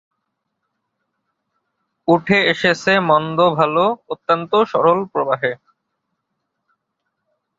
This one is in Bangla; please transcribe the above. উঠে এসেছে মন্দ-ভালো অত্যন্ত সরল প্রবাহে।